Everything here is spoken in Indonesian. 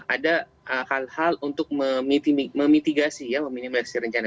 ada hal hal untuk memitigasi ya meminimalisir rencana